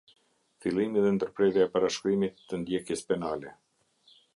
Fillimi dhe ndërprerja e parashkrimit të ndjekjes penale.